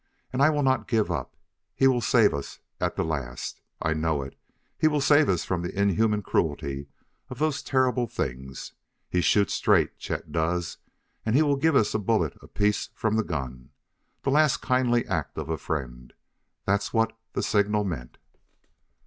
And I will not give up. He will save us at the last; I know it! He will save us from the inhuman cruelty of those terrible things. He shoots straight, Chet does; and he will give us a bullet apiece from the gun the last kindly act of a friend. That's what the signal meant."